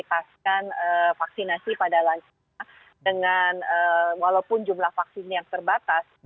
mengatasi vaksinasi pada lansia dengan walaupun jumlah vaksin yang terbatas